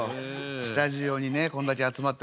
スタジオにねこんだけ集まってもらって。